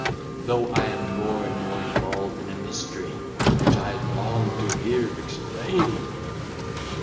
though I am more and more involved in a mystery, which I long to hear explained."